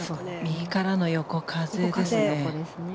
右からの横風ですね。